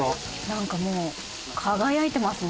なんかもう輝いてますね。